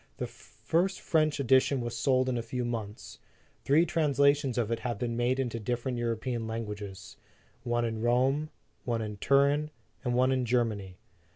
The first French edition was sold in a few months. Three translations of it have been made into dif ferent European languages one in Rome, one in Turin, and one in Germany.